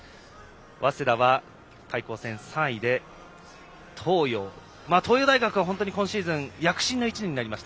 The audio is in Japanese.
早稲田は対抗戦３位で東洋大学は今シーズン躍進の１年になりました。